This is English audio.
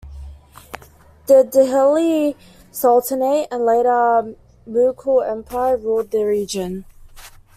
The Delhi Sultanate and later Mughal Empire ruled the region.